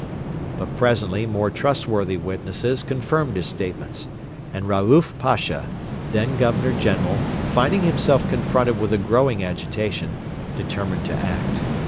But presently more trustworthy witnesses confirmed his statements, and Raouf Pasha, then Governor General, finding himself confronted with a growing agitation, determined to act.